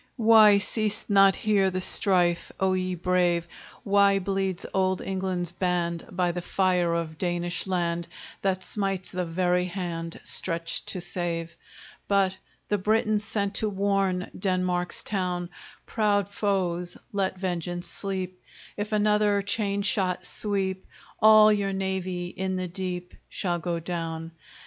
Why ceased not here the strife, O ye brave? Why bleeds old England's band, By the fire of Danish land, That smites the very hand Stretched to save? But the Britons sent to warn Denmark's town; Proud foes, let vengeance sleep; If another chain shot sweep, All your navy in the deep Shall go down!